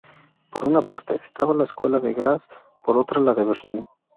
Por una parte, estaba la escuela de Graz; por otra, la de Berlín.